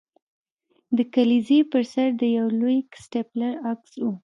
د کلیزې پر سر د یو لوی سټیپلر عکس و